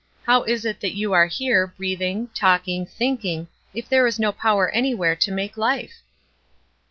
How is it that you are here, breathing, talking, thinking, if there is no power anywhere to make life?"